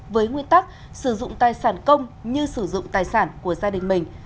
với nguyên tắc sử dụng tài sản công như sử dụng tài sản của gia đình mình